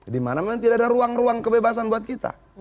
dimana memang tidak ada ruang ruang kebebasan buat kita